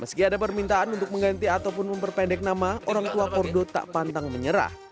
meski ada permintaan untuk mengganti ataupun memperpendek nama orang tua kordo tak pantang menyerah